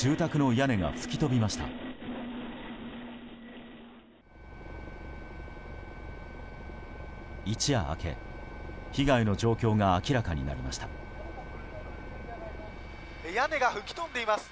屋根が吹き飛んでいます。